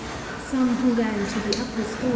^' Some who ran to the upper stories NAT.